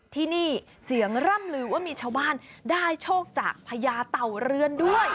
ที่นี่เสียงร่ำลือว่ามีชาวบ้านได้โชคจากพญาเต่าเรือนด้วย